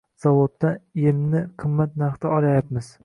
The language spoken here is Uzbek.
Zavoddan emni qimmat narxda olayapmiz